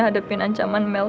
hadapin ancaman mel